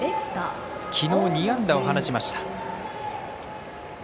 きのう２安打を放ちました。